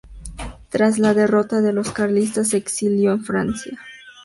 Tras la derrota de los carlistas, se exilió en Francia.